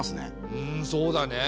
うんそうだね。